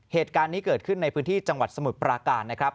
เหตุการณ์นี้เกิดขึ้นในพื้นที่จังหวัดสมุทรปราการนะครับ